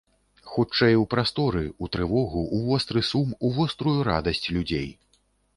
Хутчэй у прасторы, у трывогу, у востры сум, у вострую радасць людзей!